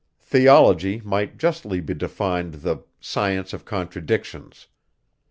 Theology might justly be defined the science of contradictions.